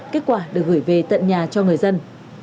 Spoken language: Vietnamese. kết quả được gửi về tận nhà cho người dân